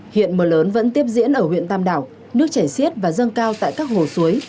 hiện mưa lớn vẫn tiếp diễn ở huyện tam đảo nước chảy xiết và dâng cao tại các hồ suối